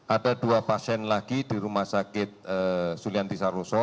ada dua pasien lagi di rumah sakit sulianti saroso